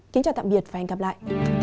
kính chào tạm biệt và hẹn gặp lại